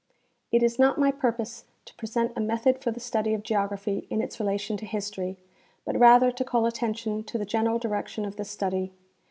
It is not my purpose to present a method for the study of geography in its relation to histor}^, but rather to call attention to the general direction of this study.